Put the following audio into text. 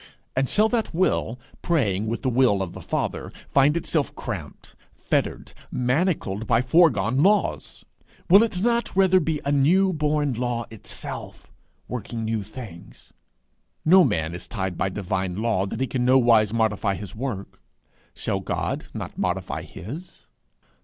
and shall that will, praying with the will of the Father, find itself cramped, fettered, manacled by foregone laws? Will it not rather be a new born law itself, working new things? No man is so tied by divine law that he can nowise modify his work: shall God not modify his?